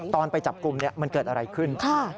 ไปจับกลุ่มมันเกิดอะไรขึ้น